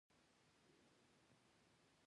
خو پیسې یې په لاس کې ټینګې ونیولې او روانې شوې.